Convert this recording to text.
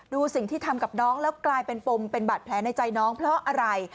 ดูสิ่งที่ทำกับน้องแล้วกลายเป็นปมเป็นบาดแผลในใจน้องเพราะอะไร